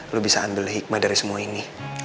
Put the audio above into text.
lo bisa ambil hikmah dari semua ini